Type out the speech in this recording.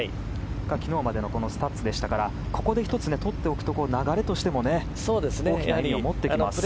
昨日までのスタッツでしたからここで１つとっておくと流れとしても大きな意味を持ってきます。